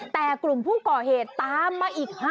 แต่กลุ่มผู้ก่อเหตุตามมาอีก๕